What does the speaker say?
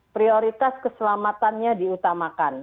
prioritas keselamatannya diutamakan